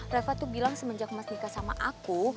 reva tuh bilang semenjak mas nika sama aku